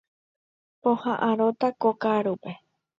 Poha'ãrõta ko ka'arúpe.